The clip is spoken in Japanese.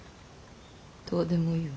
どうでもいいわ。